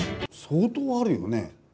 相当あるよね。